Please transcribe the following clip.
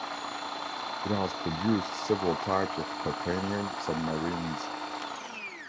It has produced several types of titanium submarines.